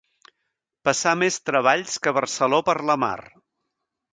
Passar més treballs que Barceló per la mar.